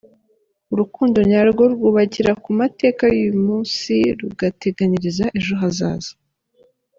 Urukundo nyarwo rwubakira ku mateka y’uyu munsi rugateganyiriza ejo hazaza.